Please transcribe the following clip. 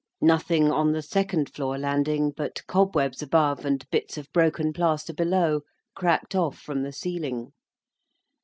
Nothing on the second floor landing, but cobwebs above and bits of broken plaster below, cracked off from the ceiling.